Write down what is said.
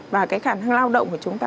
và cái khả năng lao động của chúng ta